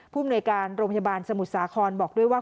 มนวยการโรงพยาบาลสมุทรสาครบอกด้วยว่า